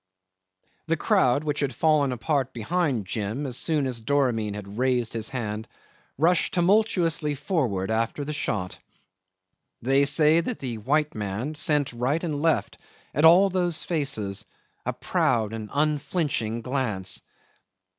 'The crowd, which had fallen apart behind Jim as soon as Doramin had raised his hand, rushed tumultuously forward after the shot. They say that the white man sent right and left at all those faces a proud and unflinching glance.